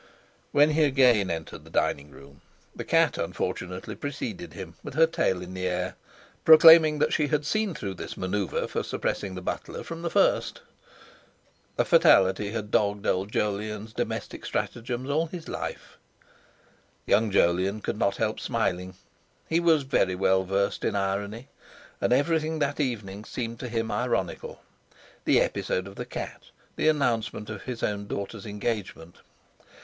When he again entered the dining room the cat unfortunately preceded him, with her tail in the air, proclaiming that she had seen through this manouevre for suppressing the butler from the first.... A fatality had dogged old Jolyon's domestic stratagems all his life. Young Jolyon could not help smiling. He was very well versed in irony, and everything that evening seemed to him ironical. The episode of the cat; the announcement of his own daughter's engagement.